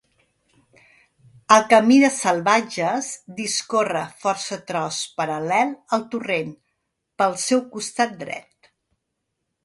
El Camí de Salvatges discorre força tros paral·lel al torrent, pel seu costat dret.